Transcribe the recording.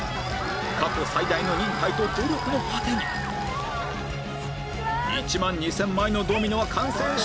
過去最大の忍耐と努力の果てに１２，０００枚のドミノは完成したのか？